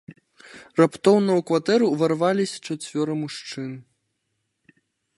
Раптоўна ў кватэру ўварваліся чацвёра мужчын.